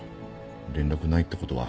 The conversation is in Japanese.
連絡ないってことは。